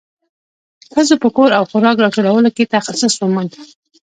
ښځو په کور او خوراک راټولولو کې تخصص وموند.